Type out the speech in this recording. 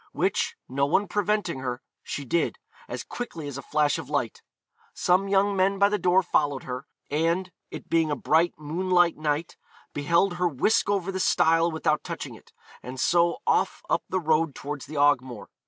which, no one preventing her, she did, as quickly as a flash of light. Some young men by the door followed her, and, it being a bright moonlight night, beheld her whisk over the stile without touching it, and so off up the road towards the Ogmore.